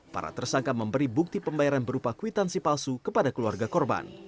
para tersangka memberi bukti pembayaran berupa kwitansi palsu kepada keluarga korban